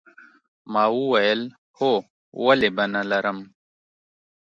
ما وویل هو ولې به نه لرم